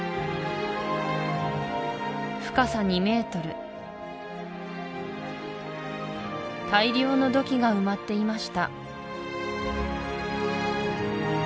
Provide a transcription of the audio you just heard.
深さ２ｍ大量の土器が埋まっていました